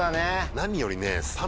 何よりね。